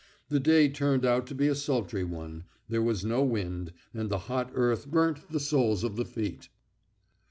The day turned out to be a sultry one; there was no wind, and the hot earth burnt the soles of the feet.